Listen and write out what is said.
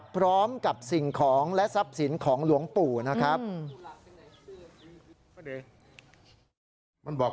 พร้อมกับสิ่งของและทรัพย์สินของหลวงปู่นะครับ